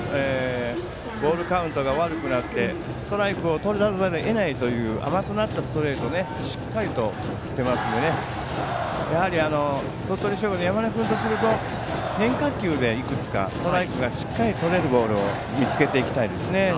ボールカウントが悪くなってストライクをとらざるを得ないという甘くなったストレートをしっかり振っているのでやはり鳥取商業の山根君とすると変化球でいくつかストライクがしっかりとれるボールを見つけていきたいです。